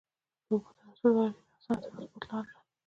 د اوبو ترانسپورت ولې ډېره ارزانه ترانسپورت لار ده؟